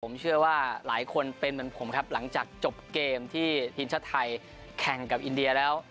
ผมเชื่อว่าหลายคนเป็นเหมือนผมครับหลังจากจบเกมที่ทีมชาติไทยแข่งกับอินเดียแล้ว